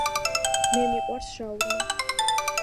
მე მიყვარს შაურმა.